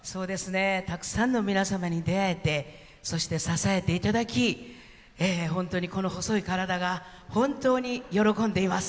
たくさんの皆様に出会えて支えていただき、本当に、この細い体が本当に喜んでいます。